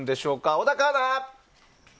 小高アナ？